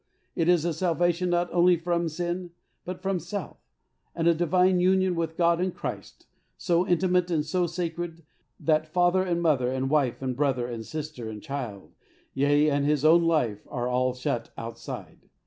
It is a salvation not only from sin, but from self, and a divine union with God in Christ, so intimate and so sacred that father and mother and wife and brother and sister and child, yea, and his own life, are all shut outside.